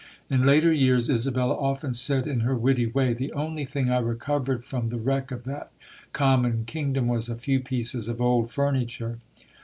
In later years Isabella often said in her witty way, "The only thing I recovered from the wreck of that common kingdom was a few pieces of old furniture".